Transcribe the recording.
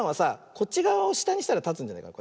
こっちがわをしたにしたらたつんじゃないかな。